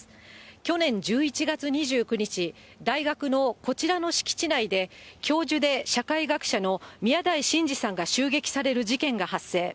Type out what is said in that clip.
去年１１月２９日、大学のこちらの敷地内で、教授で社会学者の宮台真司さんが襲撃される事件が発生。